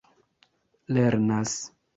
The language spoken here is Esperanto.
lernas